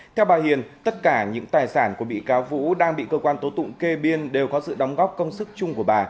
theo bà hiền tất cả những tài sản của bị cáo vũ đang bị cơ quan tố tụng kê biên đều có sự đóng góp công sức chung của bà